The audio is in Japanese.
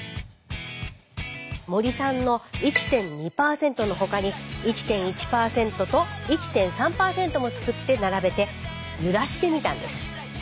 森さんの１．２％のほかに１．１％と１．３％も作って並べて揺らしてみたんです。